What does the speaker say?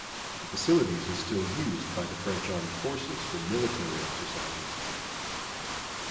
The facilities is still used by the French Armed Forces for military exercises.